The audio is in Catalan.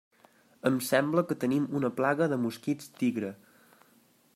Em sembla que tenim una plaga de mosquits tigre.